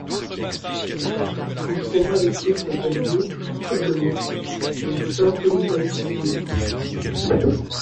Il combat les troupes alliées à Tirlemont et à Sint-Kwintens-Lennik.